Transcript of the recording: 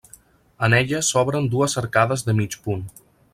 En elles s'obren dues arcades de mig punt.